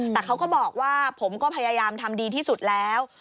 แต่เขาก็บอกว่าผมก็พยายามทำดีที่สุดแล้ว